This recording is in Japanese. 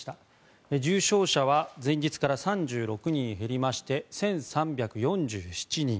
重症者は前日から３６人減りまして１３４７人。